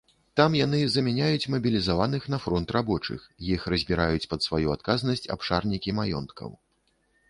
Там яны замяняюць мабілізаваных на фронт рабочых, іх разбіраюць пад сваю адказнасць абшарнікі маёнткаў.